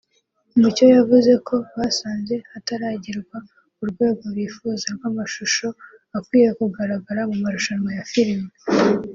Mucyo yavuze ko basanze hataragerwa ku rwego bifuza rw’amashusho akwiye kugaragara mu marushanwa ya filimi